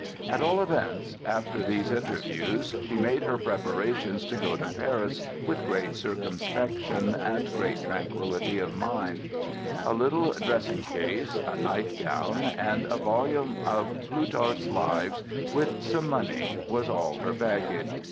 At all events, after these interviews she made her preparations to go to Paris with great circumspection, and great tranquillity of mind. A little dressing case, a night gown and a volume of Plutarch's Lives, with some money, was all her baggage.